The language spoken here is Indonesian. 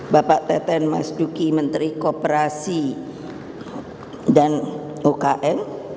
bapak teten mas duki menteri kooperasi dan ukm